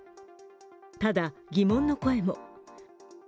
ただ、疑問の声も。